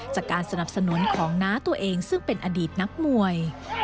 จากการสนับสนุนของน้าตัวเองซึ่งเป็นอดีตนักมวย